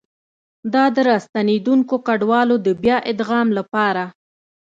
د راستنېدونکو کډوالو د بيا ادغام لپاره